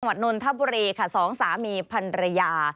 สมัครนนต์ทะบุรีค่ะสองสามีพันรยา